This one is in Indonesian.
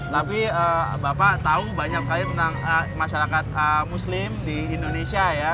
tapi bapak tahu banyak sekali tentang masyarakat muslim di indonesia ya